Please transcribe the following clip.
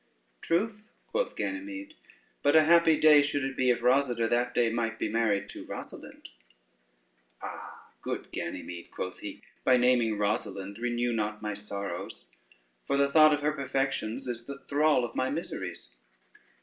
"Truth," quoth Ganymede; "but a happy day should it be, if Rosader that day might be married to Rosalynde." "Ah, good Ganymede," quoth he, "by naming Rosalynde, renew not my sorrows; for the thought of her perfections is the thrall of my miseries."